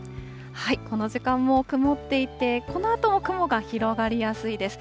この時間も曇っていて、このあとも雲が広がりやすいです。